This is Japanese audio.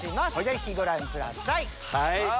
ぜひご覧ください。